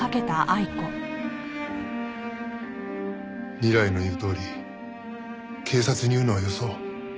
未来の言うとおり警察に言うのはよそう。